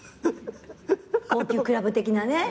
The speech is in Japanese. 高級クラブ的なね。